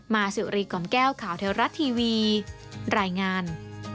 สิวรีกล่อมแก้วข่าวเทวรัฐทีวีรายงาน